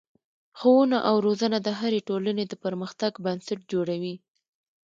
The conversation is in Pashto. ښوونه او روزنه د هرې ټولنې د پرمختګ بنسټ جوړوي.